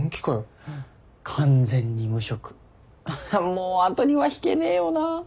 もう後には引けねえよな。